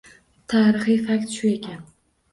Tarixiy fakt shu ekan.